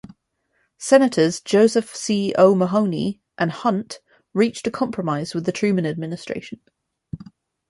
Senators, Joseph C. O'Mahoney and Hunt, reached a compromise with the Truman administration.